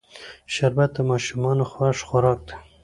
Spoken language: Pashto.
شربت د ماشومانو خوښ خوراک دی